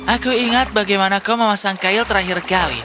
aku ingat bagaimana kau memasang kail terakhir kali